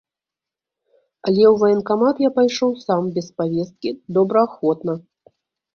Але ў ваенкамат я пайшоў сам, без павесткі, добраахвотна.